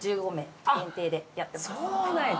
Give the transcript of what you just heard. あっそうなんや。